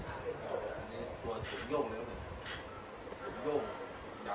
หลังจากนี้ก็ได้เห็นว่าหลังจากนี้ก็ได้เห็นว่า